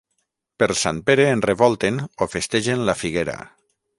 Per Sant Pere enrevolten o festegen la figuera.